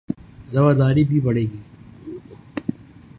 رواداری بھی بڑھے گی